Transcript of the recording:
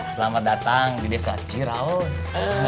selamat datang di desa ciraus